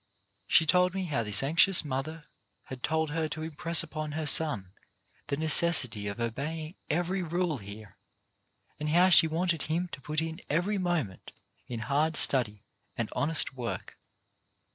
She told me how this anxious mother had told her to impress upon her son the necessity of obeying every rule here, and how she wanted him to put in every moment in hard study and honest work.